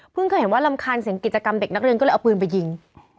ก็เห็นว่ารำคาญเสียงกิจกรรมเด็กนักเรียนก็เลยเอาปืนไปยิง